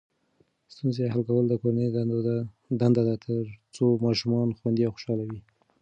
ستونزې حل کول د کورنۍ دنده ده ترڅو ماشومان خوندي او خوشحاله وي.